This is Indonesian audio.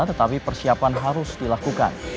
tetapi persiapan harus dilakukan